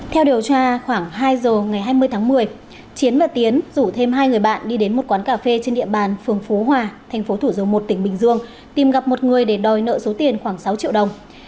theo điều tra khoảng hai giờ ngày hai mươi tháng một mươi chiến và tiến rủ thêm hai người bạn đi đến một quán cà phê trên địa bàn phường phú hòa thành phố thủ dầu một tỉnh bình dương tìm gặp một người để đòi nợ số tiền khoảng sáu triệu đồng